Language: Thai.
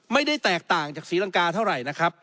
ไม่ได้แตกต่างจากศรีลังกาเท่าไหร่นะครับ